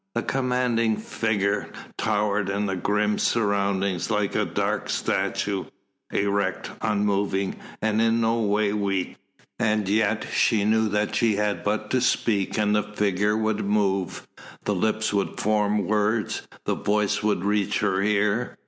The commanding figure towered in the grim surroundings like a dark statue, erect, unmoving, and in no way weak. And yet she knew that she had but to speak and the figure would move, the lips would form words, the voice would reach her ear.